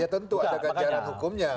ya tentu ada ganjaran hukumnya